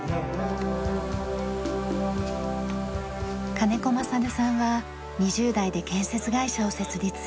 金子勝さんは２０代で建設会社を設立。